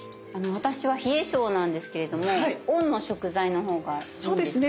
私は冷え性なんですけれども「温」の食材のほうがいいんですかね？